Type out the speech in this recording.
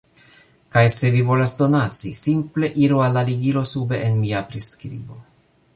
Kaj se vi volas donaci, simple iru al la ligilo sube en mia priskribo.